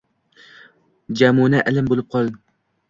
Jamuna lim bo’lib qon.